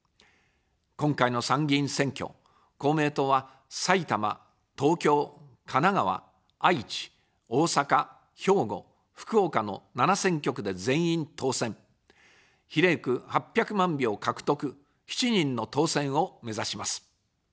今回の参議院選挙、公明党は、埼玉・東京・神奈川・愛知・大阪・兵庫・福岡の７選挙区で全員当選、比例区８００万票獲得、７人の当選をめざします。